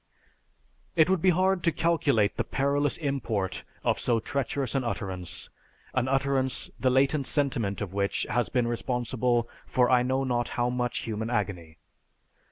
_It would be hard to calculate the perilous import of so treacherous an utterance, an utterance the latent sentiment of which has been responsible for I know not how much human agony.